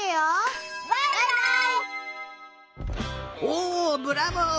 おブラボー！